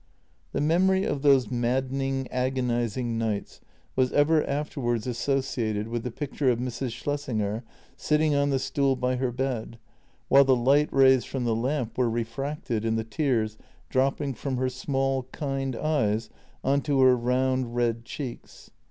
The memory of those maddening, agonizing nights was ever afterwards associated with the picture of Mrs. Schlessinger sitting on the stool by her bed while the light rays from the lamp were refracted in the tears dropping from her small, kind eyes on to her round red cheeks.